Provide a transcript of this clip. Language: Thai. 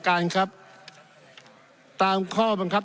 ท่านประธานที่ขอรับครับ